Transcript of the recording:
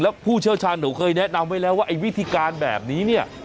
แล้วผู้เชี่ยวชาญหนูเคยแนะนำไว้แล้วว่าไอ้วิธีการแบบนี้เนี่ย